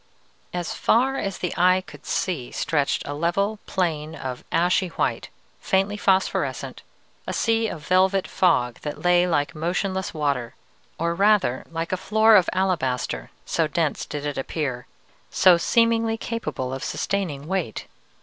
"As far as the eye could see stretched a level plain of ashy white, faintly phosphorescent, a sea of velvet fog that lay like motionless water, or rather like a floor of alabaster, so dense did it appear, so seemingly capable of sustaining weight.